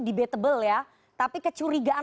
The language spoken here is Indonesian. debatable ya tapi kecurigaan